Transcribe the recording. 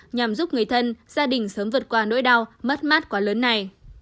nhằm giúp người thân gia đình sớm vượt qua nỗi đau mất mát quá lớn này